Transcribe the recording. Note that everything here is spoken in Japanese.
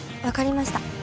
分かりました。